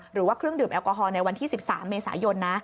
หรือว่าเครื่องดื่มแอลกอฮอลในวันที่๑๓เมษายนนะ